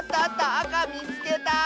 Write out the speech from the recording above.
あかみつけた！